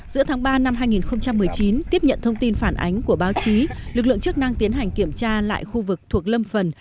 giữa tháng ba năm hai nghìn một mươi chín tiếp nhận thông tin phản ánh của báo chí lực lượng chức năng tiến hành kiểm tra lại khu vực thuộc lâm phần